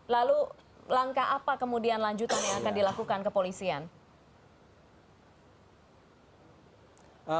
lalu langkah apa kemudian lanjutan yang akan dilakukan kepolisian